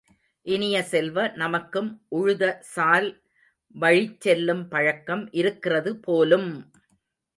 இனிய செல்வ, நமக்கும் உழுதசால் வழிச் செல்லும் பழக்கம் இருக்கிறது போலும்!